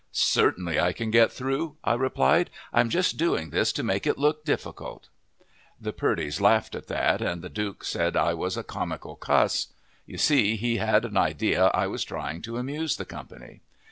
"Certainly I can get through," I replied; "I'm just doing this to make it look difficult!" The Purdys laughed at that, and the Duke said I was a comical cuss. You see, he had an idea I was trying to amuse the company.